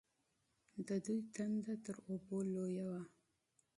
د دوی تنده تر اوبو لویه وه.